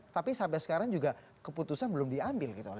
tapi sampai sekarang juga keputusan belum diambil